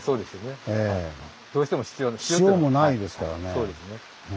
そうですね。